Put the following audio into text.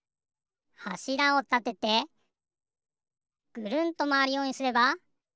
はしらをたててぐるんとまわるようにすれば。